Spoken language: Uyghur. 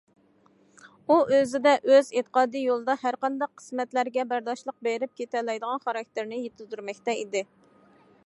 ئۇ ئۆزىدە، ئۆز ئېتىقادى يولىدا ھەرقانداق قىسمەتلەرگە بەرداشلىق بېرىپ كېتەلەيدىغان خاراكتېرنى يېتىلدۈرمەكتە ئىدى.